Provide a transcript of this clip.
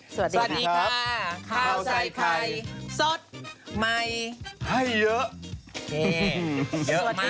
สวัสดีค่าข้าวใส่ไข่สดใหมให้เยอะ